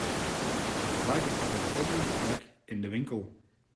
Het fruit lag op een prominente plek in de winkel.